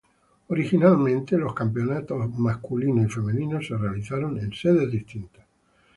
Originalmente, los campeonatos masculinos y femeninos se realizaron en sedes distintas.